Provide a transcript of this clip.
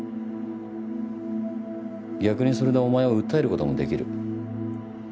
逆にそれでお前を訴えることもできる。